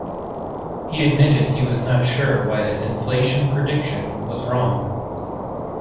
He admitted he was not sure why his inflation prediction was wrong.